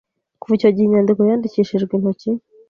Kuva icyo gihe inyandiko yandikishijwe intoki